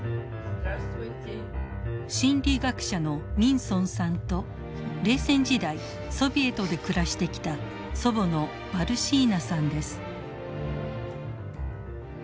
心理学者のミンソンさんと冷戦時代ソビエトで暮らしてきた祖母のバルシーナさんです。